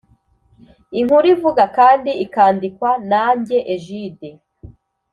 Inkuru ivuga kandi ikandikwa nanjye Egide